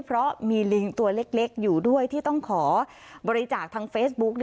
เพราะมีลิงตัวเล็กอยู่ด้วยที่ต้องขอบริจาคทางเฟซบุ๊ก